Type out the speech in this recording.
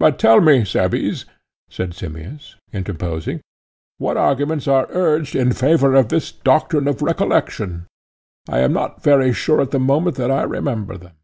But tell me, Cebes, said Simmias, interposing, what arguments are urged in favour of this doctrine of recollection. I am not very sure at the moment that I remember them.